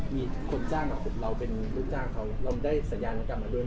มีคนจ้างกับผมเราเป็นลูกจ้างเขาเราได้สัญญาณกลับมาด้วย